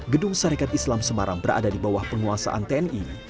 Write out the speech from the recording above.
gedung sarekat islam semarang berada di bawah penguasaan tni